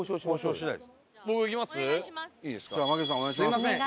すみません